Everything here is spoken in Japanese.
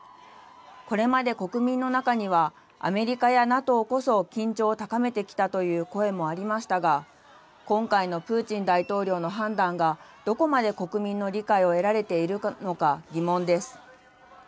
これまで国民の中には、アメリカやＮＡＴＯこそ緊張を高めてきたという声もありましたが、今回のプーチン大統領の判断がどこまで国民の理解を得られているのか疑問です。